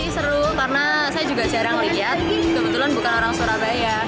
seru karena saya juga jarang lihat kebetulan bukan orang surabaya